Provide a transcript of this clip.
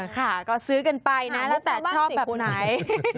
ค่ะก็ซื้อกันไปนะแล้วแต่ชอบแบบไหน